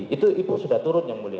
itu ibu sudah turun yang mulia